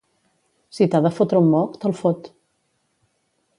Si t’ha de fotre un moc, te’l fot.